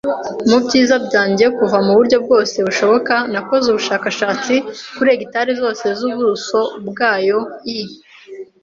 mubyiza byanjye kuva muburyo bwose bushoboka; Nakoze ubushakashatsi kuri hegitari zose z'ubuso bwayo; I.